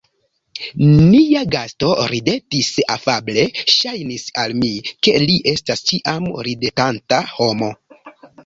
Nia gasto ridetis afable; ŝajnis al mi, ke li estas ĉiam ridetanta homo.